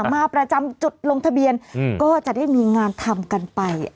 มาประจำจุดลงทะเบียนก็จะได้มีงานทำกันไป